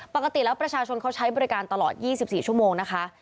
ปกติแล้วประชาชนเขาใช้บริการตลอด๒๔ชั่วโมงนะคะ